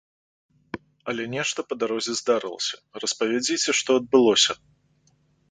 Але нешта па дарозе здарылася, распавядзіце, што адбылося?